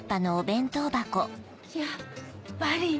やっぱり！